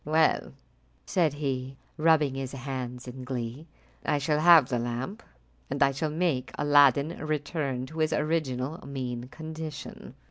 "Well," said he, rubbing his hands in glee, "I shall have the lamp, and I shall make Aladdin return to his original mean condition."